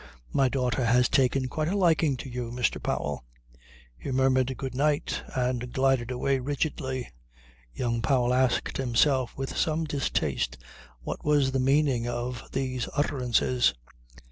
My daughter has taken quite a liking to you, Mr. Powell." He murmured, "Good night" and glided away rigidly. Young Powell asked himself with some distaste what was the meaning of these utterances.